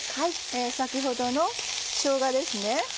先ほどのしょうがですね。